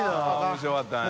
面白かったね。